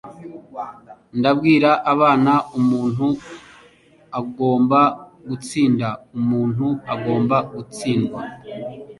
Ndabwira abana, umuntu agomba gutsinda, umuntu agomba gutsindwa.